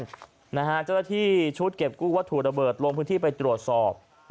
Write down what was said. เจ้าหน้าที่ชุดเก็บกู้วัตถุระเบิดลงพื้นที่ไปตรวจสอบ